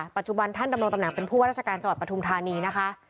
ปัจจุบันท่านดำรงตำแหน่งเป็นผู้ว่าราชการจังหวัดปทุมธานีนะคะ